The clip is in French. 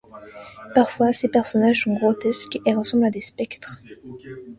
Parfois, ses personnages sont grotesques et ressemblent à des spectres.